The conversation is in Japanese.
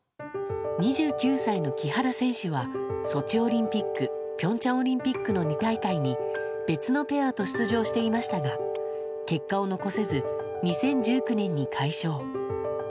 ２９歳の木原選手は、ソチオリンピック、ピョンチャンオリンピックの２大会に、別のペアと出場していましたが、結果を残せず、２０１９年に解消。